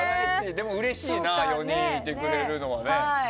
でも、うれしいな４人いてくれるのは。